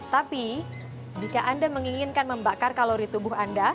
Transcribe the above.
tapi jika anda menginginkan membakar kalori tubuh anda